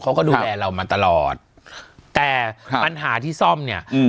เขาก็ดูแลเรามาตลอดแต่ปัญหาที่ซ่อมเนี่ยอืม